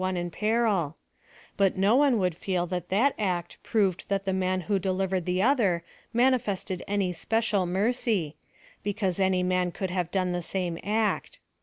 e in peril j but no one would feel that that act proved that thb man who delivered the other manifested any special mercy, because any man would have done the same act.